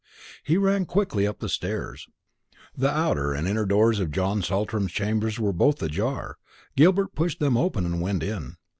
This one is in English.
He ran quickly up the stairs. The outer and inner doors of John Saltram's chambers were both ajar. Gilbert pushed them open and went in.